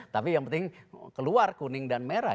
tapi yang penting keluar kuning dan merah